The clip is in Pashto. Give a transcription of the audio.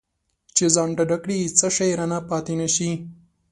چې ځان ډاډه کړي څه شی رانه پاتې نه شي.